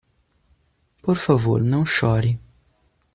Por favor não chore.